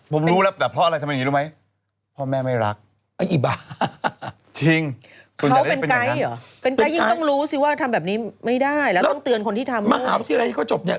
ผมรู้แล้วแต่เพราะอะไรทำแบบนี้รู้ไหม